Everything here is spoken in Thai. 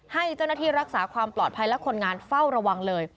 ให้เจ้าหน้าที่รักษาความปลอดภัยและคนงานเฝ้าระวังเลย